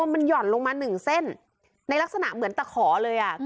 มันห่อนลงมาหนึ่งเส้นในลักษณะเหมือนตะขอเลย